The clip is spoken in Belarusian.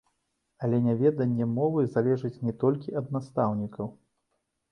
Але няведанне мовы залежыць не толькі ад настаўнікаў.